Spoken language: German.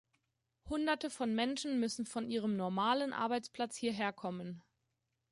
Hunderte von Menschen müssen von ihrem normalen Arbeitsplatz hierher kommen.